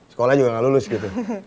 sekolah juga gak lulus gitu